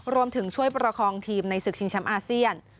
รวมถึงช่วยประคองทีมในศึกชิงแชมป์อาเซียน